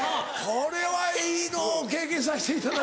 これはいいのを経験させていただいて。